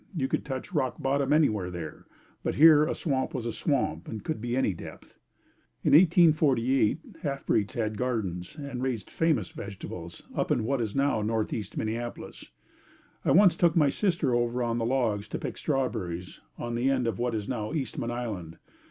You could touch rock bottom anywhere there, but here a swamp was a swamp and could be any depth. In 1848 half breeds had gardens and raised famous vegetables up in what is now Northeast Minneapolis. I once took my sister over on the logs to pick strawberries on the end of what is now Eastman Island.